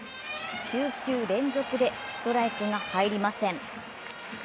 ９球連続でストライクが入りません。